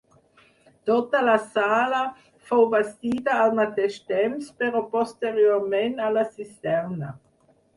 Tota la sala fou bastida al mateix temps però posteriorment a la cisterna.